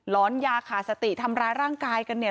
อนยาขาดสติทำร้ายร่างกายกันเนี่ย